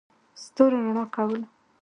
ستورو رڼا کوله.